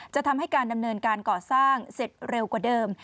จะทำให้การดำเนินการก่อสร้างเสร็จเร็วกว่าเดิม